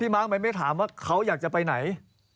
มาร์คมันไม่ถามว่าเขาอยากจะไปไหน